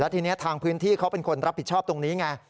ทีนี้ทางพื้นที่เขาเป็นคนรับผิดชอบตรงนี้ไง